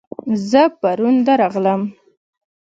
زه پرون درغلم